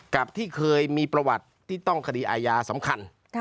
กับที่เคยมีประวัติที่ต้องคดีอาญาสำคัญ